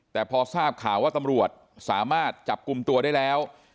แต่พอทราบข่าวว่าตำรวจสามารถจับกลุ่มตัวได้แล้ว